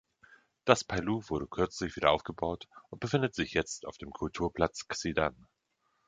Das Pailou wurde kürzlich wieder aufgebaut und befindet sich jetzt auf dem Kulturplatz Xidan.